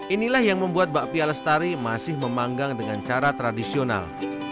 inilah yang membuat bakpia lestari masih memanggang dengan cara tradisional